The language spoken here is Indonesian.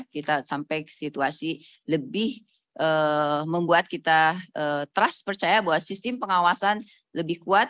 kita sampai ke situasi lebih membuat kita trust percaya bahwa sistem pengawasan lebih kuat